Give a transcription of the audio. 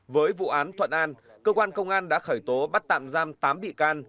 với vụ án thuận an cơ quan công an đã khởi tố bắt tạm giam tám bị can